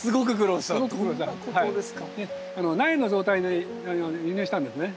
苗の状態で輸入したんですね。